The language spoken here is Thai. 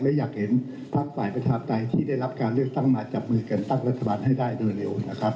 และอยากเห็นพักฝ่ายประชาธิปไตยที่ได้รับการเลือกตั้งมาจับมือกันตั้งรัฐบาลให้ได้โดยเร็วนะครับ